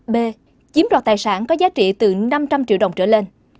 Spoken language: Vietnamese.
b chiếm đoạt tài sản có giá trị từ năm trăm linh triệu đồng trở lên